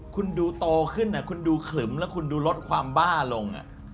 คุณดูโตขึ้นนะคุณดูขลิ้มและคุณรัดความบ้าลง